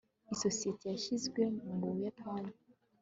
isosiyete yashinzwe mu buyapani